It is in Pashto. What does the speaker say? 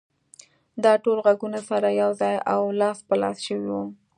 دا ټول غږونه سره يو ځای او لاس په لاس شوي وو.